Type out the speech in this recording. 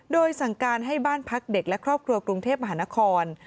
โดยสั่งการให้บ้านพักเด็กและครอบครัวกรุงเทพมหานคร